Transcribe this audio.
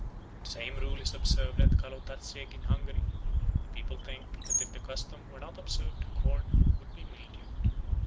The same rule is observed at Kalotaszeg in Hungary; the people think that if the custom were not observed the corn would be mildewed.